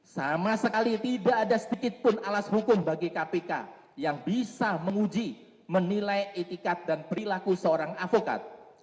sama sekali tidak ada sedikitpun alas hukum bagi kpk yang bisa menguji menilai etikat dan perilaku seorang avokat